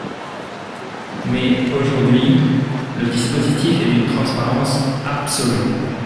Mais, aujourd’hui, le dispositif est d’une transparence absolue.